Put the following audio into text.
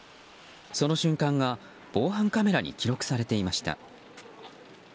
その瞬間が、防犯カメラに記録されていました。